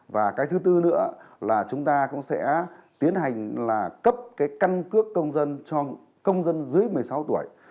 và cái thứ tư nữa là chúng ta cũng sẽ tiến hành là cấp cái căn cước công dân cho công dân dưới một mươi sáu tuổi